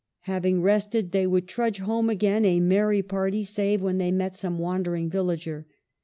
Having rested, they would trudge home again a merry party, save when they met some wandering villager.